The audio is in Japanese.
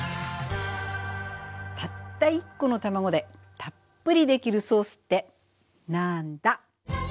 たった１コの卵でたっぷりできるソースってなんだ！